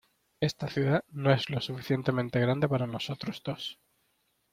Esta ciudad no es lo suficientemente grande para nosotros dos.